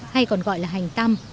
hay còn gọi là hành tăm